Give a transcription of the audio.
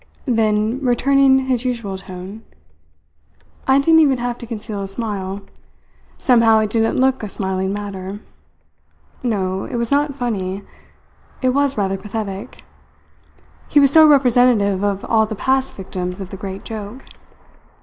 Then, returning to his usual tone: "I didn't even have to conceal a smile. Somehow it didn't look a smiling matter. No, it was not funny; it was rather pathetic; he was so representative of all the past victims of the Great Joke.